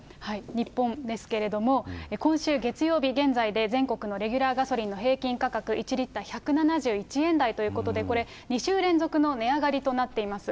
日本ですけれども、今週月曜日、現在で全国のレギュラーガソリンの平均価格、１リッター１７１円台ということで、これ、２週連続の値上がりとなっています。